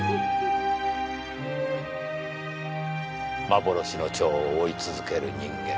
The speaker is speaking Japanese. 幻の蝶を追い続ける人間。